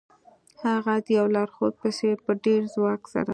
هغه د یو لارښود په څیر په ډیر ځواک سره